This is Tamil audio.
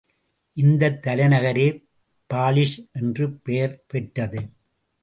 இந்தத் தலைநகரே பாலிஸ் என்று பெயர் பெற்றது.